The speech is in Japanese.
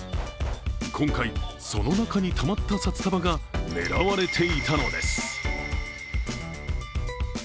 今回、その中にたまった札束が、狙われていたのです。